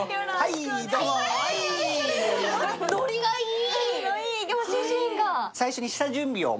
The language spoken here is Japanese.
ノリがいい！